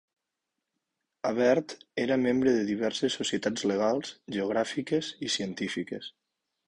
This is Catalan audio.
Abert era membre de diverses societats legals, geogràfiques i científiques.